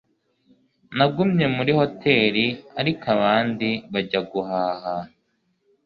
Nagumye muri hoteri, ariko abandi bajya guhaha.